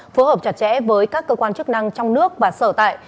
phối hợp chặt chẽ với các cơ quan chức năng trong nước và sở tại